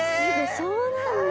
そうなんだ。